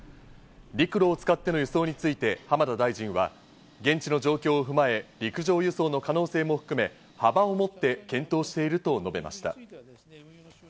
陸路を使っての輸送について浜田大臣は現地の状況を踏まえ陸上輸送の可能性も含め、幅を持って検討していると述べました。